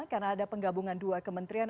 karena ada penggabungan dua kementerian